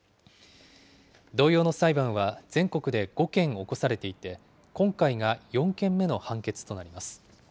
同様の裁判は、全国で５件起こされていて、今回が４件目の判決となります。